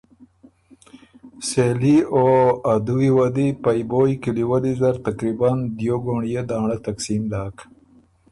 سېلي او ا دُوي وه دی پئ بویٛ کلی ولی زر تقریباً دیو ګونړيې دانړۀ تقسیم داک